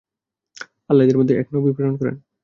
আল্লাহ এদের মধ্যে এক নবী প্রেরণ করেন।